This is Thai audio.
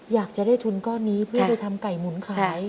อยากจะได้ทุนก้อนนี้เพื่อไปทำไก่หมุนขาย